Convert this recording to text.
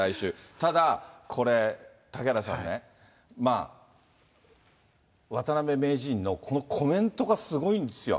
ただ、これ、嵩原さんね、渡辺名人のこのコメントがすごいんですよ。